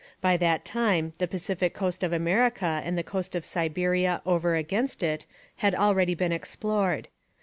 By that time the Pacific coast of America and the coast of Siberia over against it had already been explored.